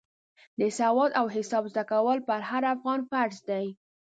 د سواد او حساب زده کول پر هر افغان فرض دی.